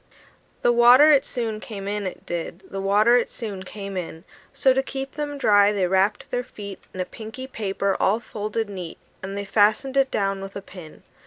The water it soon came in, it did; The water it soon came in: So, to keep them dry, they wrapped their feet In a pinky paper all folded neat; And they fastened it down with a pin.